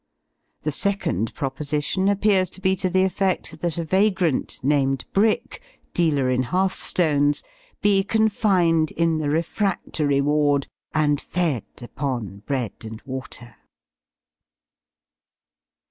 The second proposition appears to be to the effect that a vagrant named Brick, dealer in hearth stones, be confined in the refractory ward, and fed upon bread and water.